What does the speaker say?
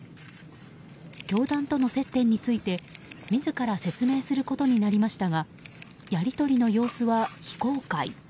教団との接点について自ら説明することになりましたがやり取りの様子は非公開。